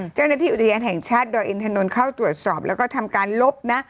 เจ้าหน้าที่อุทยานแห่งชาติดอยอินทนนท์เข้าตรวจสอบแล้วก็ทำการลบนะ